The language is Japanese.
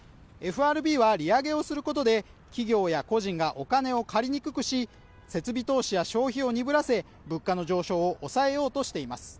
ＦＲＢは利上げをすることで企業や個人がお金を借りにくくし設備投資や消費を鈍らせ物価の上昇を抑えようとしています